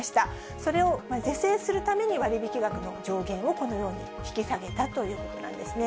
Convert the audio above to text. それを是正するために、割引額の上限をこのように引き下げたということなんですね。